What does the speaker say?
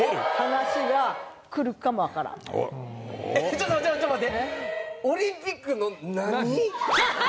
ちょっと待ってちょっと待って。